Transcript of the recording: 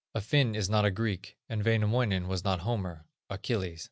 A Finn is not a Greek, and Wainamoinen was not a Homer [Achilles?